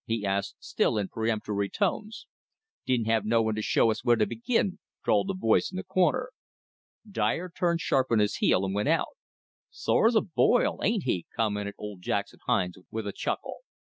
he asked, still in peremptory tones. "Didn't have no one to show us where to begin," drawled a voice in the corner. Dyer turned sharp on his heel and went out. "Sore as a boil, ain't he!" commented old Jackson Hines with a chuckle.